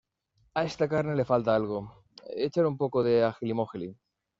A esta carne le falta algo, échale un poco de ajilimójili